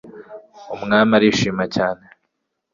umwami arishima cyane